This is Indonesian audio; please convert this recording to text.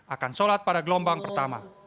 akan sholat pada gelombang pertama